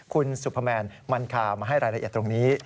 คุณสุพแมนมันคามาให้รายละเอียดตรงนี้